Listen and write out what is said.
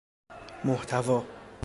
محتوی